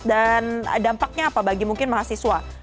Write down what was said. dan dampaknya apa bagi mungkin mahasiswa